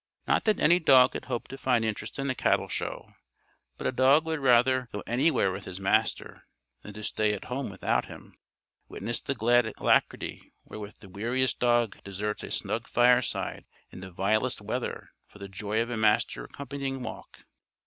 Not that any dog could hope to find interest in a cattle show, but a dog would rather go anywhere with his Master than to stay at home without him. Witness the glad alacrity wherewith the weariest dog deserts a snug fireside in the vilest weather for the joy of a master accompanying walk.